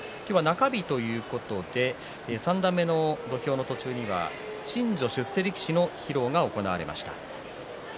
今日、中日ということで三段目の土俵の途中には新序出世力士の披露が行われました。